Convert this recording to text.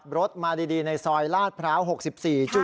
รถมาดีในซอยลาดพร้าว๖๔